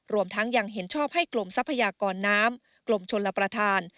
รวมทั้งยังเห็นชอบให้กลมทรัพยากรน้ำกลมชนรับประทาน